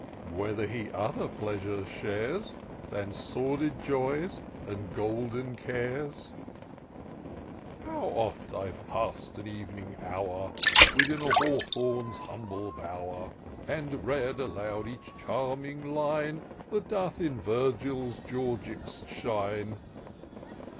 Whether he other pleasures shares. Than sordid joys and golden cares ?" How oft I've pass'd an evening hour Within an hawthorn's hiunble bower. And read aloud each charming line. That doth in Virgil's Georgics shine